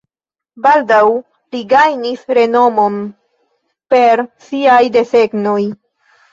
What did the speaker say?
Baldaŭ li gajnis renomon per siaj desegnoj.